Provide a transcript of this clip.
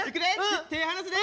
手離すで？